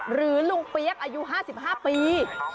ลุงเปี๊ยกอายุ๕๕ปี